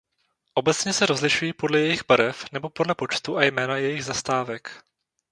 Obecně se rozlišují podle jejich barev nebo podle počtu a jména jejich zastávek.